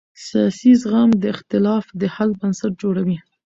سیاسي زغم د اختلاف د حل بنسټ جوړوي